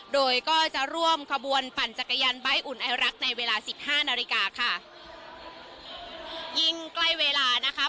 โดยก็จะร่วมขบวนปั่นจักรยานใบ้อุ่นไอรักในเวลาสิบห้านาฬิกาค่ะยิ่งใกล้เวลานะคะ